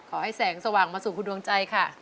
แสงสว่างมาสู่คุณดวงใจค่ะ